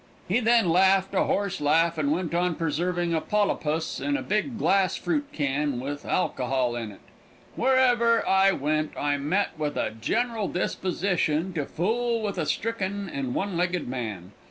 He then laughed a hoarse laugh and went on preserving a polapus in a big glass fruit can with alkohall in it. Wherever I went I met with a general disposition to fool with a stricken and one legged man.